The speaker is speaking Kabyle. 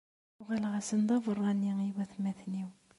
Uɣaleɣ-asen d aberrani i watmaten-iw.